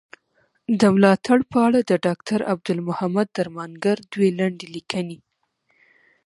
د ملاتړ په اړه د ډاکټر عبدالمحمد درمانګر دوې لنډي ليکني.